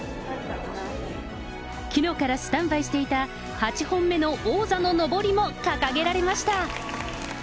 きのうからスタンバイしていた８本目の王座ののぼりも掲げられました。